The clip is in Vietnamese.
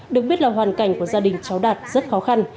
được biết là hoàn cảnh của gia đình cháu đạt rất khó khăn